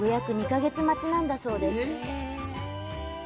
２か月待ちなんだそうです。